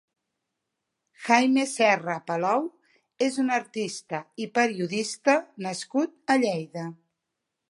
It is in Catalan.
Jaime Serra Palou és un artista i periodista nascut a Lleida.